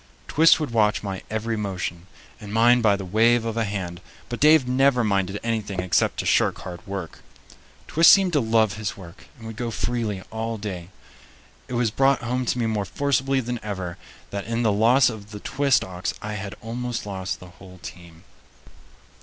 Twist would watch my every motion, and mind by the wave of the hand, but Dave never minded anything except to shirk hard work. Twist seemed to love his work and would go freely all day. It was brought home to me more forcibly than ever that in the loss of the Twist ox I had almost lost the whole team.